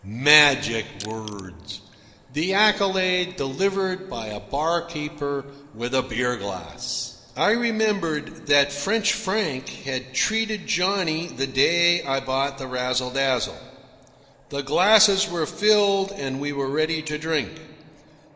Magic words! The accolade delivered by a barkeeper with a beer glass! I remembered that French Frank had treated Johnny the day I bought the Razzle Dazzle. The glasses were filled and we were ready to drink.